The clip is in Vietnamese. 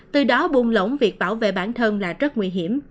từ đó buông lỏng việc bảo vệ bản thân là rất nguy hiểm